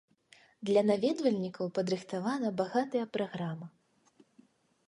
Для наведвальнікаў падрыхтавана багатая праграма.